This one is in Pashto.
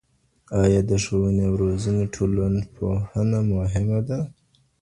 آيا د ښوونې او روزنې ټولنپوهنه مهمه ده؟